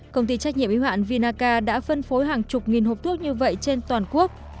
công ty trách nhiệm y hoạn vinaca đã phân phối hàng chục nghìn hộp thuốc như vậy trên toàn quốc